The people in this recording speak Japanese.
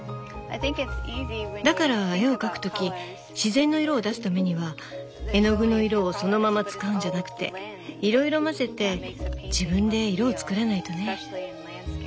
だから絵を描く時自然の色を出すためには絵の具の色をそのまま使うんじゃなくていろいろ混ぜて自分で色を作らないとね。